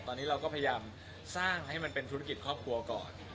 ตอนนี้เราก็พยายามสร้างให้มันเป็นธุรกิจครอบครัวก่อน